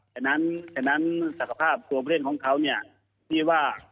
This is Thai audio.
ฉะนั้นสักภาพตัวผู้เล่นของเขาเนี่ย